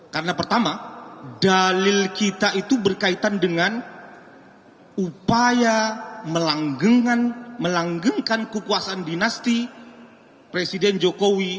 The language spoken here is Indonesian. karena pertama dalil kita itu berkaitan dengan upaya melanggengkan kekuasaan dinasti presiden jokowi